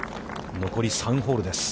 残り３ホールです。